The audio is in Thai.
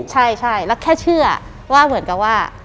ใช่แล้วแค่เชื่อว่าเหมือนกับว่า